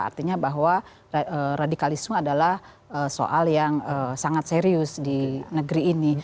artinya bahwa radikalisme adalah soal yang sangat serius di negeri ini